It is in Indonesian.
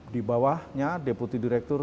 di bawahnya deputi direktur